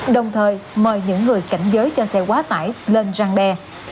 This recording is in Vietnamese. đồng thời mời những người cảnh giới cho xe quá tải lên răng đe